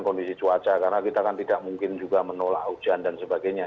kondisi cuaca karena kita kan tidak mungkin juga menolak hujan dan sebagainya